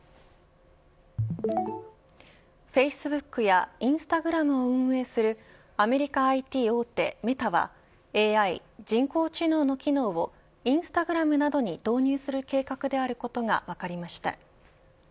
フェイスブックやインスタグラムを運営するアメリカＩＴ大手メタはＡＩ人工知能の機能をインスタグラムなどに導入する計画であることが分かりました。